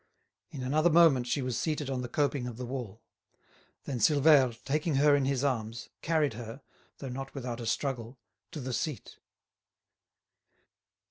In another moment she was seated on the coping of the wall. Then Silvère, taking her in his arms, carried her, though not without a struggle, to the seat.